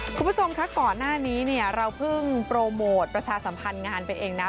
คุณผู้ชมคะก่อนหน้านี้เนี่ยเราเพิ่งโปรโมทประชาสัมพันธ์งานไปเองนะ